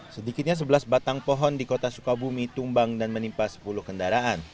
sedikitnya sebelas batang pohon di kota sukabumi tumbang dan menimpa sepuluh kendaraan